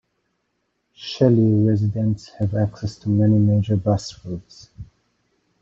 Shelley residents have access to many major bus routes.